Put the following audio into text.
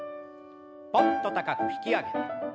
ぽんと高く引き上げて。